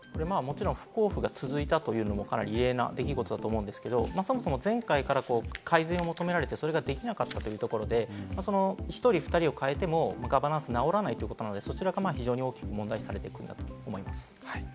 不交付が続いたのも異例な出来事だと思いますけれども、そもそも前回から改善を求められてそれができなかったところで、１人、２人を代えてもガバナンスは直らないということなので、そちらが非常に大きく問題視されているんだと思います。